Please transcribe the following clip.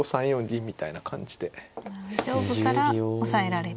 上部から押さえられて。